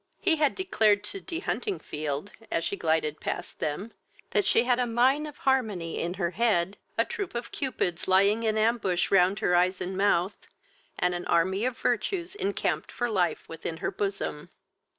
He had declared to De Huntingfield, as she glided past them, that she had a mine of harmony in her head, a troop of Cupids lying in ambush round her eyes and mouth, and an army of virtues encamped for life within her bosom.